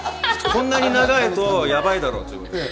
こんなに長いとやばいだろうと思って。